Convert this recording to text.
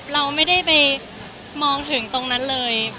เราไม่ได้ไปมองถึงตรงนั้นเลย